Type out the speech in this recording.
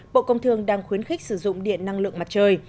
bộ công thương đang khuyến khích sử dụng điện năng lượng mặt trời